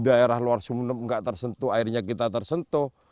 daerah luar sumeneb nggak tersentuh airnya kita tersentuh